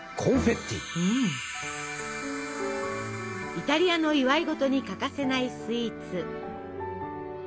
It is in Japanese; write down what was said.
イタリアの祝い事に欠かせないスイーツ。